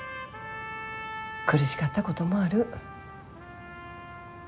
苦しかったこともある。